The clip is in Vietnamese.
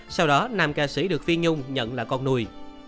sau đó nam ca sĩ được phi nhung nhận là con nuôi